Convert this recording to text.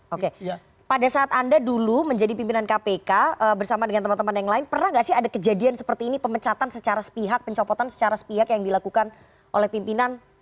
oke pada saat anda dulu menjadi pimpinan kpk bersama dengan teman teman yang lain pernah nggak sih ada kejadian seperti ini pemecatan secara sepihak pencopotan secara sepihak yang dilakukan oleh pimpinan